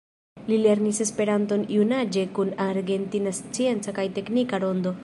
Li lernis esperanton junaĝe kun Argentina Scienca kaj Teknika Rondo.